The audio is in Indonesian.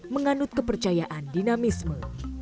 menganut kepercayaan dinamisme